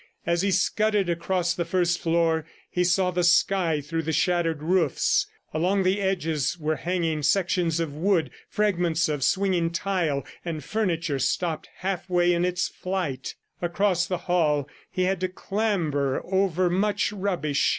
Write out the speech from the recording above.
As he scudded across the first floor, he saw the sky through the shattered roofs. Along the edges were hanging sections of wood, fragments of swinging tile and furniture stopped halfway in its flight. Crossing the hall, he had to clamber over much rubbish.